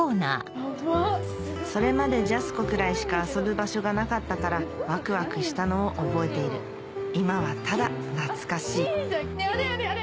それまでジャスコくらいしか遊ぶ場所がなかったからワクワクしたのを覚えている今はただ懐かしいあれあれ。